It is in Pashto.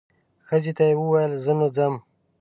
ښځې ته یې وویل زه نو ځم.